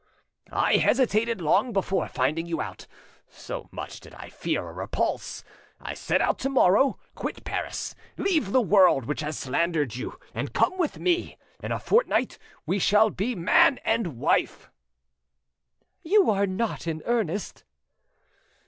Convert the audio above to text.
"I hesitated long before finding you out, so much did I fear a repulse. I set out to morrow. Quit Paris, leave the world which has slandered you, and come with me. In a fortnight we shall be man and wife." "You are not in earnest!"